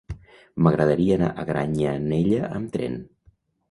M'agradaria anar a Granyanella amb tren.